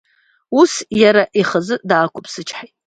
Ус, иара ихазы даақәыԥсычҳаит.